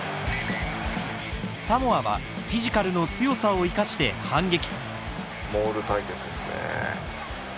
サモアはフィジカルの強さを生かして反撃。